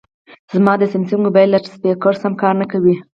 زما د سامسنګ مبایل لاسپیکر سم کار نه کوي